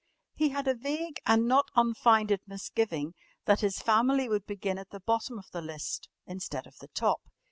He had a vague and not unfounded misgiving that his family would begin at the bottom of the list instead of the top.